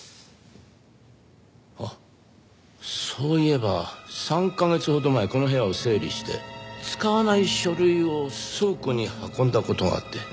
あっそういえば３カ月ほど前この部屋を整理して使わない書類を倉庫に運んだ事があって。